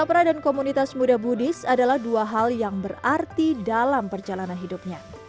sara dan komunitas muda buddhis adalah dua hal yang berarti dalam perjalanan hidupnya